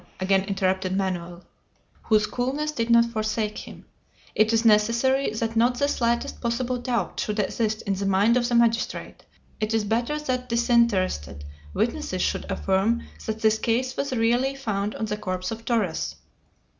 again interrupted Manoel, whose coolness did not forsake him. "It is necessary that not the slightest possible doubt should exist in the mind of the magistrate! It is better that disinterested witnesses should affirm that this case was really found on the corpse of Torres!"